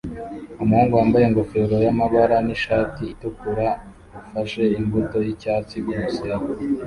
Umuhungu wambaye ingofero yamabara nishati itukura ufashe imbuto yicyatsi kumusenyi